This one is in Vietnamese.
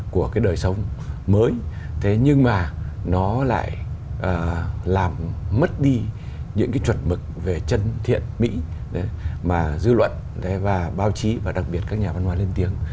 của cái đời sống mới thế nhưng mà nó lại làm mất đi những cái chuẩn mực về chân thiện mỹ mà dư luận và báo chí và đặc biệt các nhà văn hóa lên tiếng